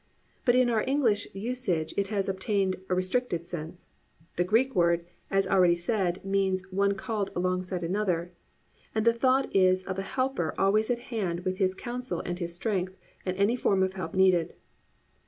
But in our English usage it has obtained a restricted sense. The Greek word, as already said, means "one called alongside another," and the thought is of a helper always at hand with his counsel and his strength and any form of help needed.